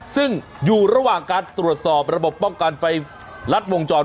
ซึ่งอยู่ระหว่างการตรวจสอบระบบป้องกันไฟลัดวงจร